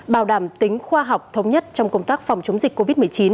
bảo đảm tính khoa học thống nhất trong công tác phòng chống dịch covid một mươi chín